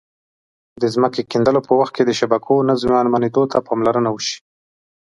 د ځمکې کیندلو په وخت کې د شبکو نه زیانمنېدو ته پاملرنه وشي.